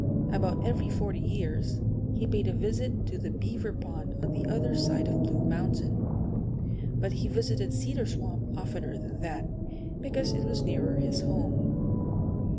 About every forty years he paid a visit to the Beaver Pond on the other side of Blue Mountain. But he visited Cedar Swamp oftener than that, because it was nearer his home.